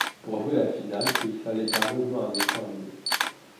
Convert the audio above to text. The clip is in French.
Pour jouer la finale, il fallait garder au moins un écran allumé.